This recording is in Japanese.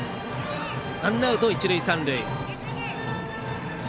ワンアウト、一塁三塁。